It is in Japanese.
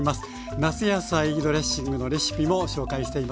夏野菜ドレッシングのレシピも紹介しています。